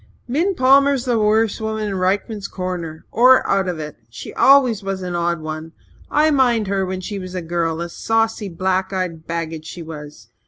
"Min Palmer's the worst woman in Rykman's Corner or out of it. She always was an odd one. I mind her when she was a girl a saucy, black eyed baggage she was!